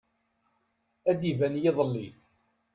Ad d-iban yiḍelli.